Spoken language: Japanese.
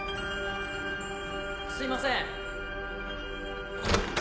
・・すいません。